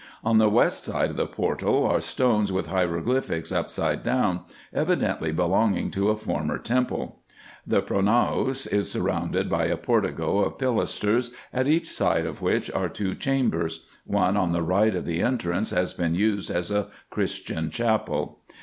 On the west side of the portal are stones with hieroglyphics upside down, evidently be longing to a former temple. The pronaos is surrounded by a portico of pilasters, at each side of which are two chambers : one on the right of the entrance has been used as a Christian chapel.